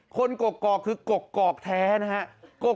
กกอกคือกกอกแท้นะครับ